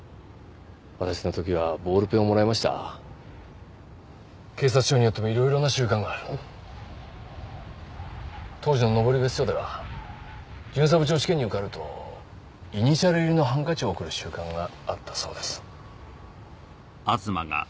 私の時はボールペンをもらいました警察署によってもいろいろな習慣がある当時の登別署では巡査部長試験に受かるとイニシャル入りのハンカチを贈る習慣があったそうです